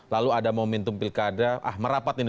lalu ada momentum pilkada ah merapat ini